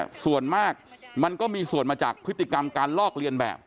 ยังว่าเกิดการส่งคดีส่วนมากมันก็มีส่วนมาจากพฤติกรรมการลอกเลียนแบบ